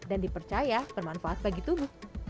dan dipercaya bermanfaat bagi tubuh